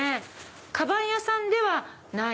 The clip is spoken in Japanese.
かばん屋さんではない？